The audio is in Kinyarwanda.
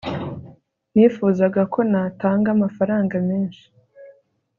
nifuzaga ko natanga amafaranga menshi